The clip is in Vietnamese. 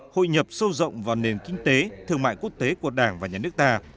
hội nhập sâu rộng vào nền kinh tế thương mại quốc tế của đảng và nhà nước ta